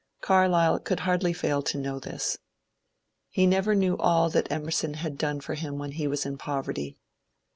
Carlyle could hardly fail to know this. He never knew all that Emerson had done for him when he was in poverty.